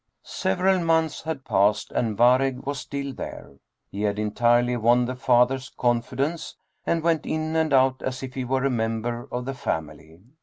Several months had passed and Waregg was still there. He had entirely won the father's confidence, and went in and out as if he were a member of the family.